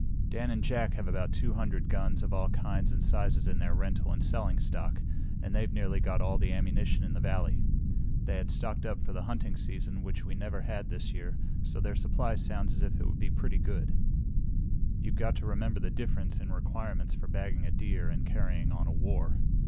"Dan and Jack have about two hundred guns of all kinds and sizes in their rental and selling stock, and they've got nearly all the ammunition in the valley. They had stocked up for the hunting season, which we never had this year, so their supply sounds as if it would be pretty good. You've got to remember the difference in requirements for bagging a deer and carrying on a war.